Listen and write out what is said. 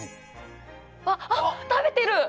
ああっ食べてる！